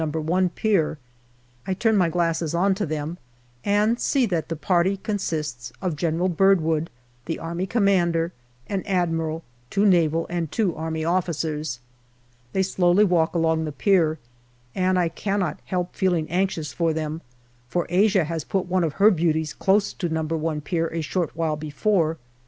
i Pier. I turn my glasses on to them and see that the party consists of General Birdwood, the Army Commander, an Admiral, two Naval and two Army officers. They slowly walk along the pier, and I cannot help feeling anxious for them, for Asia has put one of her beauties close to No. i Pier a short while before.